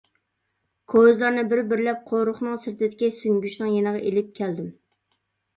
كوزىلارنى بىر-بىرلەپ قورۇقنىڭ سىرتىدىكى سۈڭگۈچنىڭ يېنىغا ئېلىپ كەلدىم.